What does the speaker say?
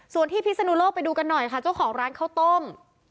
ส่วนที่พิศนุโลกไปดูกันหน่อยค่ะเจ้าของร้านข้าวต้ม